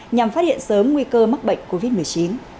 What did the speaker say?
nhằm phát hiện sớm nguy cơ mắc bệnh covid một mươi chín